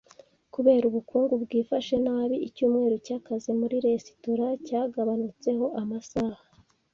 Kubera ubukungu bwifashe nabi, icyumweru cyakazi muri resitora cyagabanutseho amasaha